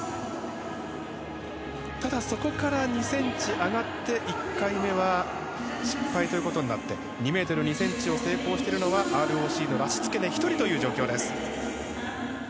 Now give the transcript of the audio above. ただ、そこから２ｃｍ上がって１回目は失敗となって２ｍ２ｃｍを成功しているのはＲＯＣのラシツケネ１人という状況です。